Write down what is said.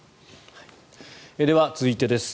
では、続いてです。